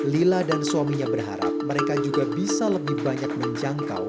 lila dan suaminya berharap mereka juga bisa lebih banyak menjangkau